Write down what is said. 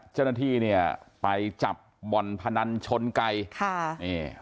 เจ้าหน้าที่เนี่ยไปจับบ่อนพนันชนไก่ค่ะนี่